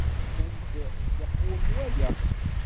Nnan-d yeqwem waya.